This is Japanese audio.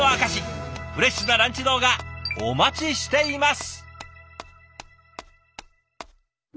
フレッシュなランチ動画お待ちしています！